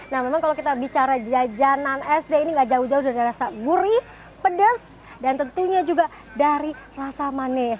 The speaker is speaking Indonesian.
nah memang kalau kita bicara jajanan sd ini gak jauh jauh dari rasa gurih pedas dan tentunya juga dari rasa manis